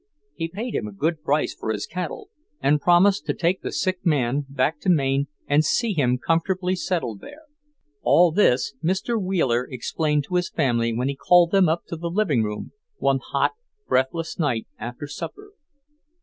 He paid him a good price for his cattle, and promised to take the sick man back to Maine and see him comfortably settled there. All this Mr. Wheeler explained to his family when he called them up to the living room one hot, breathless night after supper.